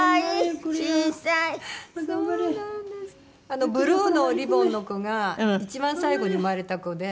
あのブルーのおリボンの子が一番最後に生まれた子で。